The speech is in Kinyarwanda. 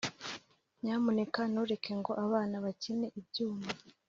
nyamuneka ntureke ngo abana bakine ibyuma